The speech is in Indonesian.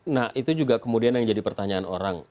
nah itu juga kemudian yang jadi pertanyaan orang